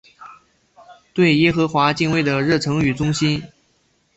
对耶和华敬畏的热诚与忠心。